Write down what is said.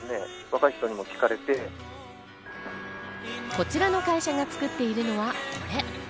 こちらの会社が作っているのはこれ。